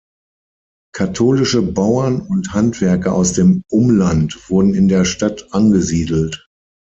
Katholische Bauern und Handwerker aus dem Umland wurden in der Stadt angesiedelt.